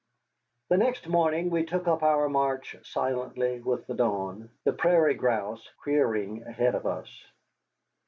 The next morning we took up our march silently with the dawn, the prairie grouse whirring ahead of us.